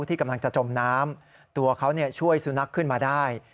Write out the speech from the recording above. ที่กำลังจะจมน้ำตัวเขาช่วยสุนัขขึ้นมาได้